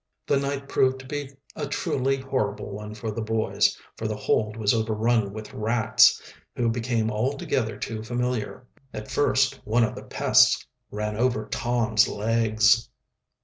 The night proved to be a truly horrible one for the boys, for the hold was overrun with rats, who became altogether too familiar. At first one of the pests ran over Tom's legs.